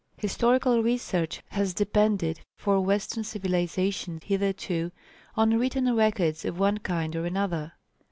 Historical research has depended for western civilisation hitherto, on written records of one kind or another.